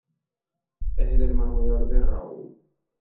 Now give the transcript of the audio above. Es el hermano mayor de Raoul.